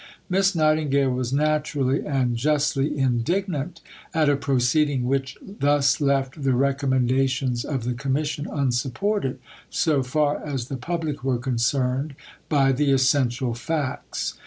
Miss Nightingale was naturally and justly indignant at a proceeding which thus left the recommendations of the Commission unsupported, so far as the public were concerned, by the essential facts.